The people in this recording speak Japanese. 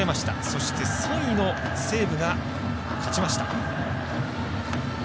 そして３位の西武が勝ちました。